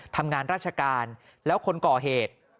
ทำงานราชการแล้วคนก่อเหตุ